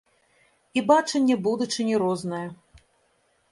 І бачанне будучыні рознае.